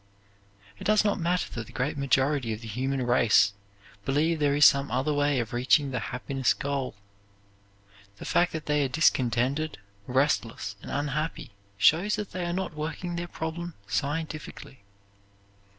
It does not matter that the great majority of the human race believe there is some other way of reaching the happiness goal. The fact that they are discontented, restless, and unhappy shows that they are not working their problem scientifically.